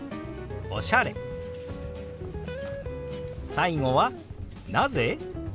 最後は「なぜ？」。